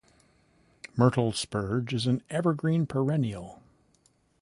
Myrtle spurge is an evergreen perennial.